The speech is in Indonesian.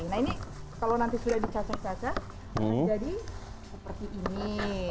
nah ini kalau nanti sudah dicacah cacah jadi seperti ini